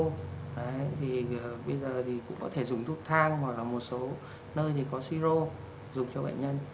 thì bây giờ thì cũng có thể dùng thuốc thang hoặc là một số nơi thì có si rô dùng cho bệnh nhân